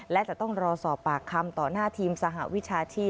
และจะต้องรอสอบปากคำต่อหน้าทีมสหวิชาชีพ